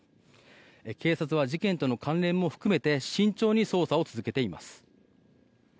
警察は事件との関連も含めて慎重に捜査を続けています。